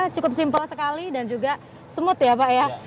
cukup simpel sekali dan juga smooth ya pak ya